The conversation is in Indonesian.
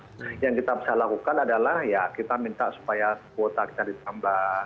jadi yang kita bisa lakukan adalah ya kita minta supaya kuota kita ditambah